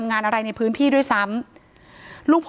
ถ้าใครอยากรู้ว่าลุงพลมีโปรแกรมทำอะไรที่ไหนยังไง